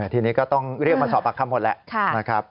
ทีนี้ก็ต้องเรียกมันสอบปากคำหมดแล้ว